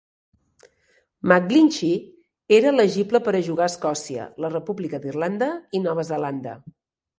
McGlinchey era elegible per jugar a Escòcia, la República d'Irlanda i Nova Zelanda.